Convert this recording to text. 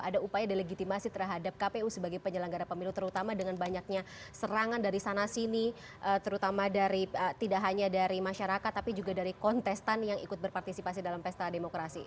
ada upaya delegitimasi terhadap kpu sebagai penyelenggara pemilu terutama dengan banyaknya serangan dari sana sini terutama dari tidak hanya dari masyarakat tapi juga dari kontestan yang ikut berpartisipasi dalam pesta demokrasi